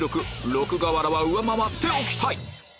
６瓦は上回っておきたい